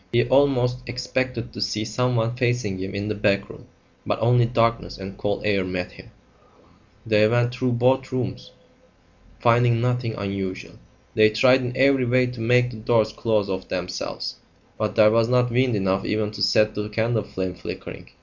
He almost expected to see someone facing him in the back room; but only darkness and cold air met him. They went through both rooms, finding nothing unusual. They tried in every way to make the doors close of themselves, but there was not wind enough even to set the candle flame flickering.